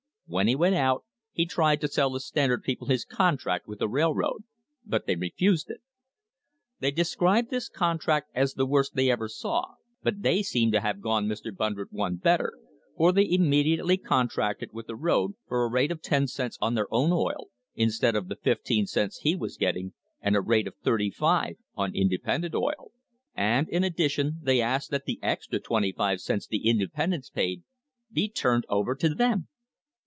When he went out he tried to sell the Standard people his contract with the railroad, but they refused it. They describe this contract as the worst they ever saw, but they seem to have gone Mr. Brundred one better, for they immediately contracted with the road for a rate of ten cents on their own oil, instead of the fifteen cents he was getting, and a rate of thirty five on independent oil. And in addition they asked that the extra twenty five cents the independents paid be turned over to them!